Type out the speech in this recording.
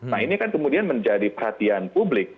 nah ini kan kemudian menjadi perhatian publik